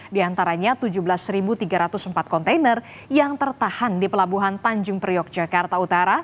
di antaranya tujuh belas tiga ratus empat kontainer yang tertahan di pelabuhan tanjung priok jakarta utara